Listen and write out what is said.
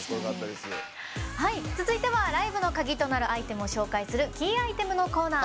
続いては、ライブの鍵となるキーアイテムを紹介する「ＫＥＹｉｔｅｍ」のコーナー。